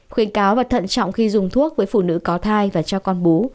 khuyến cáo và thận trọng khi dùng thuốc với phụ nữ có thai và cho con bú